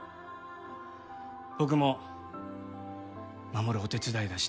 僕も守るお手伝いがしたい。